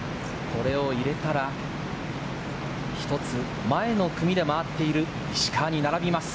これを入れたら、一つ前の組で回っている石川に並びます。